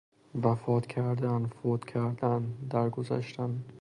وفات کردن ـ فوت کردن ـ در گذشتن